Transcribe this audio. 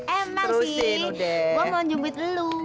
emang sih gua mau njemput lu